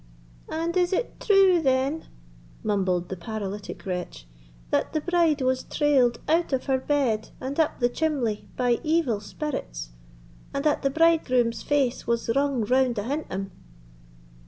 "And is it true, then," mumbled the paralytic wretch, "that the bride was trailed out of her bed and up the chimly by evil spirits, and that the bridegroom's face was wrung round ahint him?"